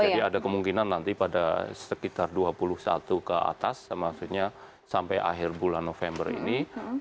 jadi ada kemungkinan nanti pada sekitar dua puluh satu ke atas maksudnya sampai akhir bulan november ini